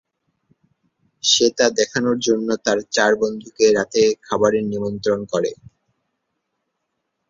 সে তা দেখানোর জন্য তার চার বন্ধুকে রাতের খাবারে নিমন্ত্রণ করে।